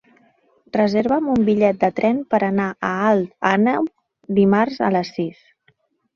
Reserva'm un bitllet de tren per anar a Alt Àneu dimarts a les sis.